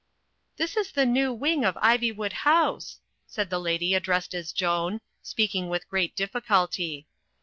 "This is the new wing of Ivywood House," said the lady addressed as Joan, speaking with great diffi culty.